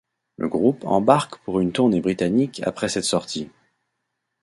Le groupe embarque pour une tournée britannique après cette sortie.